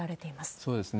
そうですね。